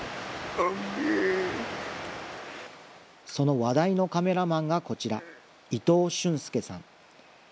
話題のカメラマンがこちら、伊藤駿祐さん。